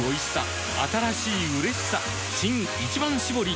新「一番搾り」